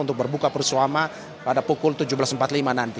untuk berbuka pursuama pada pukul tujuh belas empat puluh lima nanti